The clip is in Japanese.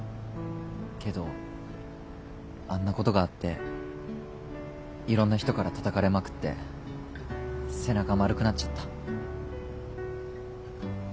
けどあんなことがあっていろんな人からたたかれまくって背中丸くなっちゃった。